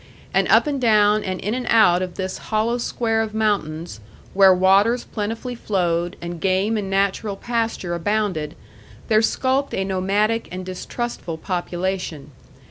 And up and down and in and out of this hollow square of mountains, where waters plentifully flowed, and game and natural pasture abounded, there skulked a nomadic and distrustful population.